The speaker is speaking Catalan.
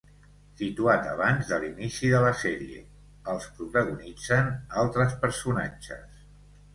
Situat abans de l'inici de la sèrie, els protagonitzen altres personatges.